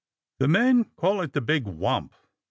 The men call it the Big Wamp.